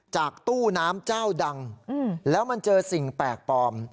ตู้น้ำเจ้าดังแล้วมันเจอสิ่งแปลกปลอม